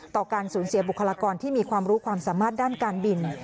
การสูญเสียบุคลากรที่มีความรู้ความสามารถด้านการบิน